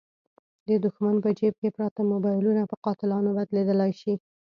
د دوښمن په جیب کې پراته موبایلونه په قاتلانو بدلېدلای شي.